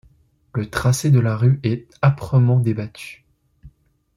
Le tracé de la rue est âprement débattu.